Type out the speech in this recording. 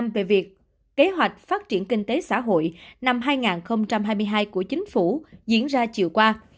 về việc kế hoạch phát triển kinh tế xã hội năm hai nghìn hai mươi hai của chính phủ diễn ra chiều qua